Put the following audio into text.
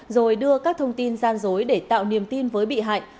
rồi đưa các thông tin gian dối để tạo niềm tin với bị hại